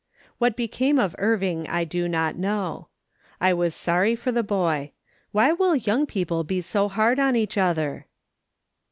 "What became of Irving I do not know. I was sorry for the boy. Wliy will young people be so hard on each other